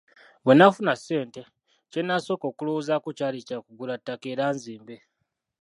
Bwe nafuna ssente, kye nasooka okulowoozaako kyali kya kugula ttaka era nzimbe.